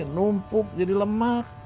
numpuk jadi lemak